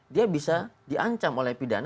dia bisa diancam oleh pidana